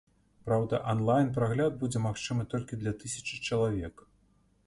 Праўда, ан-лайн прагляд будзе магчымы толькі для тысячы чалавек.